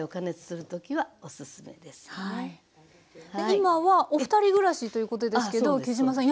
今はお二人暮らしということですけど杵島さん